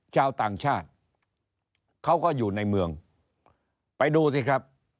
ชาวต่างชาติเขาก็อยู่ในเมืองไปดูสิครับ